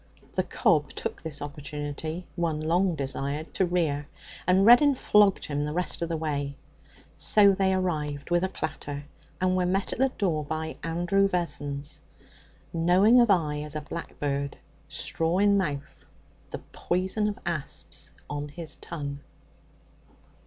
The cob took this opportunity one long desired to rear, and Reddin flogged him the rest of the way. So they arrived with a clatter, and were met at the door by Andrew Vessons knowing of eye as a blackbird, straw in mouth, the poison of asps on his tongue.